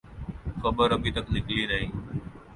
خبر ابھی تک نکلی نہیں۔